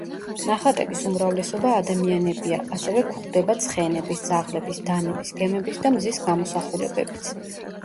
ნახატების უმრავლესობა ადამიანებია, ასევე გვხვდება ცხენების, ძაღლების, დანების, გემების და მზის გამოსახულებებიც.